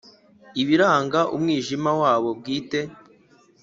ibiranga umwijima wabo bwite